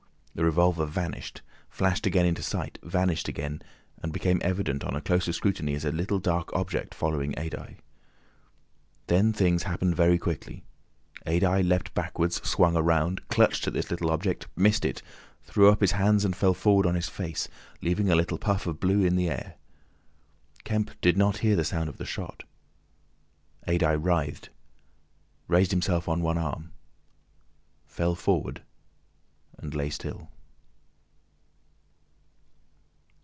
The revolver vanished, flashed again into sight, vanished again, and became evident on a closer scrutiny as a little dark object following Adye. Then things happened very quickly. Adye leapt backwards, swung around, clutched at this little object, missed it, threw up his hands and fell forward on his face, leaving a little puff of blue in the air. Kemp did not hear the sound of the shot. Adye writhed, raised himself on one arm, fell forward, and lay still.